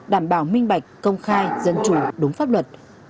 đảm bảo minh bạch công khai dân chủ đúng pháp luật